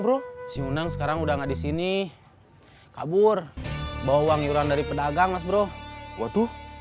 bro siune sekarang udah nggak di sini kabur bawa uang iuran dari pedagang mas bro waduh